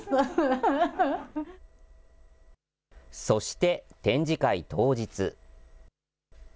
そして、展示会当日。